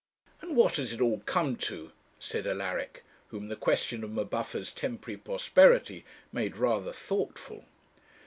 'And what has it all come to?' said Alaric, whom the question of M'Buffer's temporary prosperity made rather thoughtful.